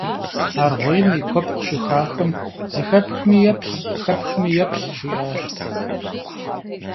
Arğuêym yi kuepkh şıxaxım, «Zıxepxmi yêplh, xepxmi yêplh»,— jji'aş.